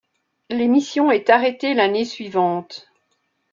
L'émission est arrêtée l'année suivante.